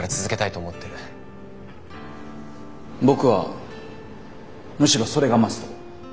僕はむしろそれがマスト。